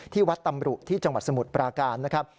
ที่วัดตำรุที่จังหวัดสมุทรปราการนะครับ